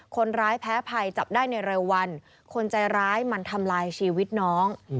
คนร้ายแพ้ภัยจับได้ในเร็ววันคนใจร้ายมันทำลายชีวิตน้อง